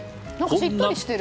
しっとりしてる。